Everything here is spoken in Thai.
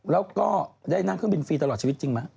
แล้วก็ได้นั่งเครื่องบินฟรีตลอดชีวิตจริงไหม